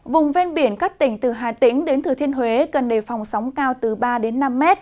vùng ven biển các tỉnh từ hà tĩnh đến thừa thiên huế cần đề phòng sóng cao từ ba đến năm mét